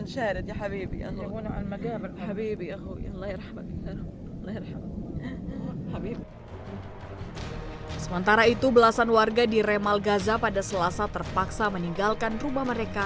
sementara itu belasan warga di remal gaza pada selasa terpaksa meninggalkan rumah mereka